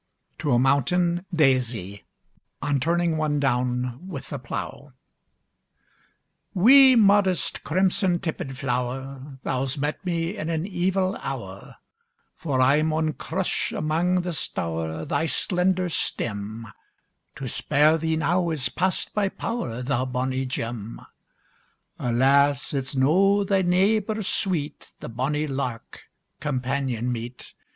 TO A MOUNTAIN DAISY On Turning One Down with the Plow Wee, modest, crimson tippèd flower, Thou's met me in an evil hour; For I maun crush amang the stoure Thy slender stem; To spare thee now is past my power, Thou bonnie gem. Alas! it's no thy neebor sweet, The bonnie lark, companion meet!